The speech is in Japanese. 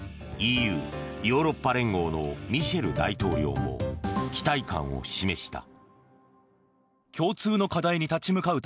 ＥＵ・ヨーロッパ連合のミシェル大統領も期待感を示した。